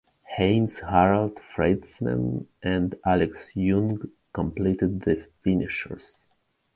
Heinz-Harald Frentzen and Alex Yoong completed the finishers.